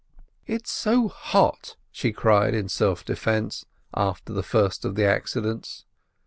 "It's so hot!" she cried in self defence, after the first of the accidents.